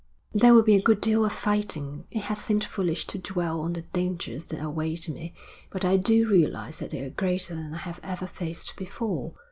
'There will be a good deal of fighting. It has seemed foolish to dwell on the dangers that await me, but I do realise that they are greater than I have ever faced before.